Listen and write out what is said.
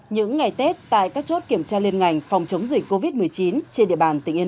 những ngày tết tại các chốt kiểm tra liên ngành phòng chống dịch covid một mươi chín trên địa bàn tỉnh yên